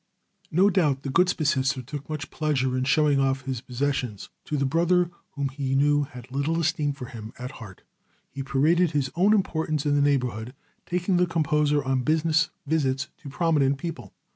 No doubt the Gutsbesitzer took much pleasure in showing off his possessions to the brother whom he knew had little esteem for him at heart. He paraded his own importance in the neighborhood, taking the composer on business visits to prominent people.